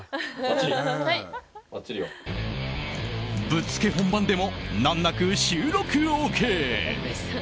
ぶっつけ本番でも難なく収録ＯＫ。